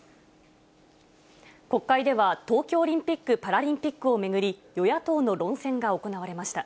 国会では東京オリンピック・パラリンピックを巡り、与野党の論戦が行われました。